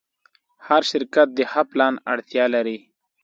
هر شرکت د ښه پلان اړتیا لري.